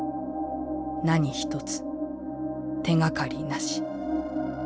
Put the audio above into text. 何一つ手がかりなし」。